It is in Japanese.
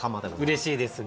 うれしいですね。